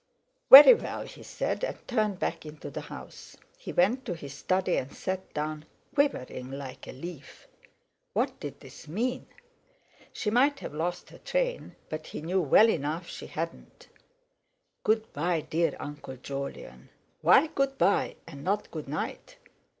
"Very well," he said, and turned back into the house. He went to his study and sat down, quivering like a leaf. What did this mean? She might have lost her train, but he knew well enough she hadn't. "Good bye, dear Uncle Jolyon." Why "Good bye" and not "Good night".